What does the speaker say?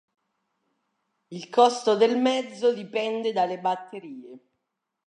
Il costo del mezzo dipende dalla batterie.